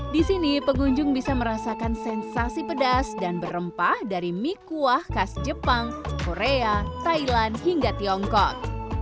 di sini pengunjung bisa merasakan sensasi pedas dan berempah dari mie kuah khas jepang korea thailand hingga tiongkok